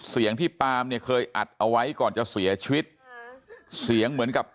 เสียงที่ปามเนี่ยเคยอัดเอาไว้ก่อนจะเสียชีวิตเสียงเหมือนกับ